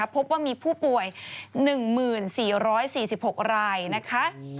พบว่ามีผู้ป่วย๑๔๔๖รายนะคะ